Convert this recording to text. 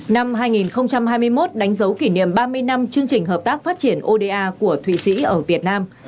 năm hai nghìn hai mươi một đánh dấu kỷ niệm ba mươi năm chương trình hợp tác phát triển oda của thụy sĩ ở việt nam